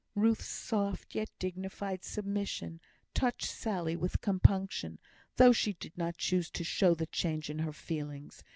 Ruth's soft, yet dignified submission, touched Sally with compunction, though she did not choose to show the change in her feelings.